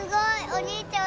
お兄ちゃん